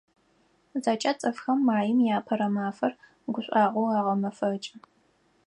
ЗэкӀэ цӀыфхэм Маим и Апэрэ мафэр гушӀуагъоу агъэмэфэкӀы.